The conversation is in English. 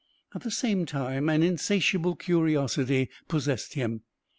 At the same time an insatiable curiosity possessed him.